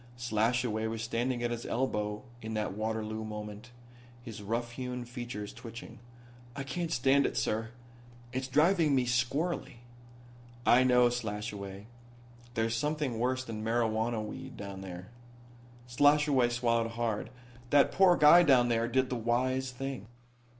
Slashaway was standing at his elbow in that Waterloo moment, his rough hewn features twitching. "I can't stand it, sir. It's driving me squirrelly." "I know, Slashaway. There's something worse than marijuana weed down there." Slashaway swallowed hard. "That poor guy down there did the wise thing."